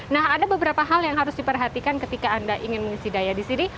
nah ada beberapa hal yang harus diperhatikan ketika anda ingin mengisi daya di sini